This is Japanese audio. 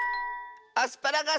アスパラガス！